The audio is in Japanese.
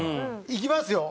いきますよ？